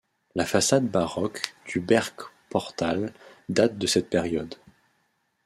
La façade baroque du Bergportaal date de cette période.